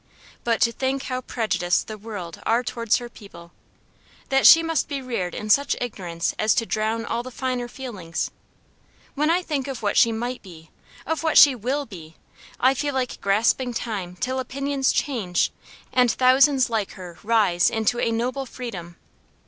But to think how prejudiced the world are towards her people; that she must be reared in such ignorance as to drown all the finer feelings. When I think of what she might be, of what she will be, I feel like grasping time till opinions change, and thousands like her rise into a noble freedom.